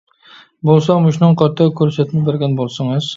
بولسا مۇشۇنىڭغا قارىتا كۆرسەتمە بەرگەن بولسىڭىز، ،،،.